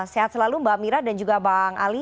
sehat selalu mbak mira dan juga bang ali